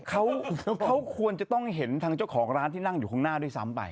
เขาควรจะต้องเห็นทางเจ้าของร้านที่นั่งอยู่ข้างหน้าด้วยซ้ำไป